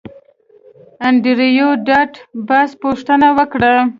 انډریو ډاټ باس پوښتنه وکړه